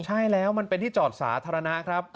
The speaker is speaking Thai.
ใช่แล้วมันเป็นที่จอดสาธารณะครับ